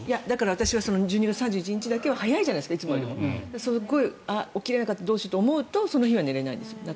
私も１２月３１日だけは早いじゃないですかいつもよりも起きれなかった、どうしようって思うとその日は寝られないんです。